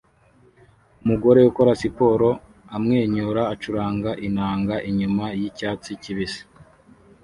Umugore ukora siporo amwenyura acuranga inanga inyuma yicyatsi kibisi